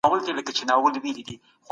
د پښتو ژبي غږونه ډېر طبیعي او فطري دي